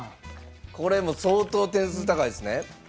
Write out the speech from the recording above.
これも相当点数高いですね。